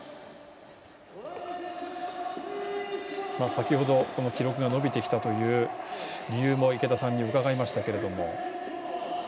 先ほど、記録が伸びてきたという理由も池田さんに伺いましたけれども。